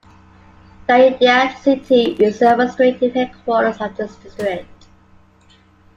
Nadiad city is the administrative headquarters of the district.